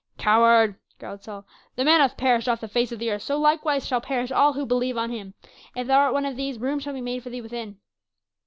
"Coward!" growled Saul. "The man hath perished off the face of the earth, so likewise shall perish all who believe on him. If thou art one of these, room shall be made for thee within."